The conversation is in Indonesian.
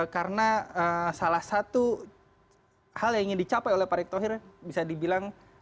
karena salah satu hal yang ingin dicapai oleh pak erik thohir bisa dibilang